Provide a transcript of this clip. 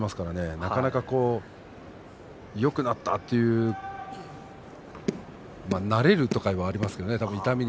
なかなかよくなったという慣れるとかいうのはありますね。